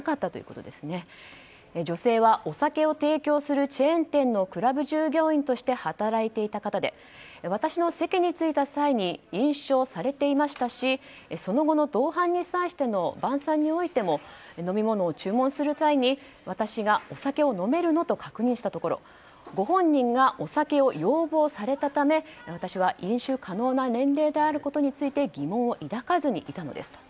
女性はお酒を提供するチェーン店のクラブ従業員として働いていた方で私の席に着いた際飲酒をされていましたしその後の同伴に際しての晩餐においても飲み物を注文する際に私がお酒を飲めるの？と確認したところご本人がお酒を要望されたため私は飲酒可能な年齢であることに疑問を抱かずにいたのです。